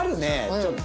ちょっと。